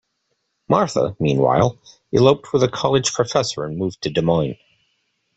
Martha, meanwhile, eloped with a college professor and moved to Des Moines.